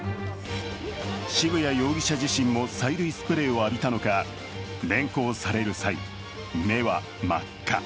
渋谷容疑者自身も催涙スプレーを浴びたのか、連行される際、目は真っ赤。